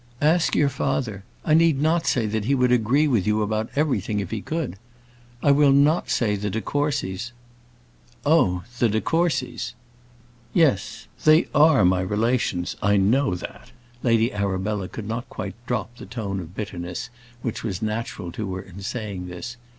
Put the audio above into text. Ask your father: I need not say that he would agree with you about everything if he could. I will not say the de Courcys." "Oh, the de Courcys!" "Yes, they are my relations; I know that." Lady Arabella could not quite drop the tone of bitterness which was natural to her in saying this.